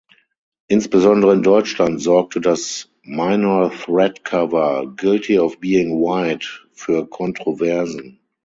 Insbesondere in Deutschland sorgte das Minor-Threat-Cover "Guilty of Being White" für Kontroversen.